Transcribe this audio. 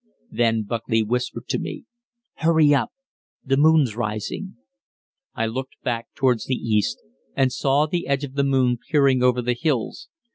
Then Buckley whispered to me, "Hurry up, the moon's rising." I looked back towards the east, and saw the edge of the moon peering over the hills.